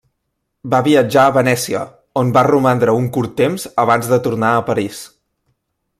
Va viatjar a Venècia, on va romandre un curt temps abans de tornar a París.